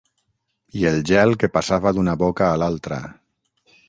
I el gel que passava d'una boca a l'altra...